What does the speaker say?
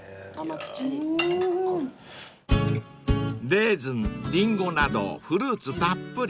［レーズンリンゴなどフルーツたっぷり］